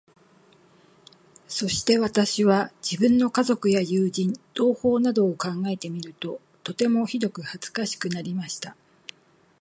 そして私は、自分の家族や友人、同胞などを考えてみると、とてもひどく恥かしくなりました。